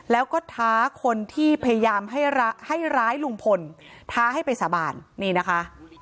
แล้วก็ท้าคนที่พยายามให้ร้ายลุงพลท้าให้ไปสาบานนี่นะคะ